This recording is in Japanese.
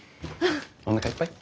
おなかいっぱい？